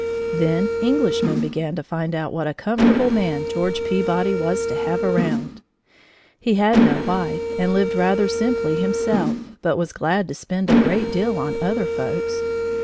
Then Englishmen began to find out what a comfortable man George Peabody was to have round. He had no wife and lived rather simply himself, but was glad to spend a great deal on other folks.